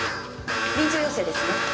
臨場要請ですね？